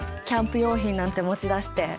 キャンプ用品なんて持ち出して。